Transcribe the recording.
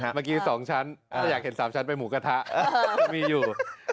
เมื่อกี้๒ชั้นถ้าอยากเห็น๓ชั้นไปหมูกระทะมีอยู่